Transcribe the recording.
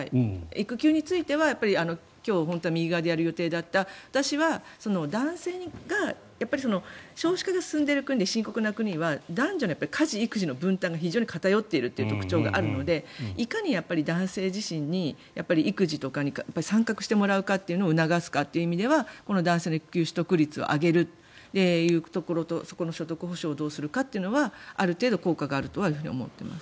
育休については今日、右側でやる予定だった男性が少子化が進んでいる国で深刻な国は男女の家事・育児の分担が非常に偏っているという特徴があるのでいかに男性自身に育児とかに参画してもらうかというのを促すかという意味では男性の育休取得率を上げるというところとそこの所得保証をどうするかというのはある程度効果があるとは思っています。